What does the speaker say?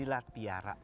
ini lah tiara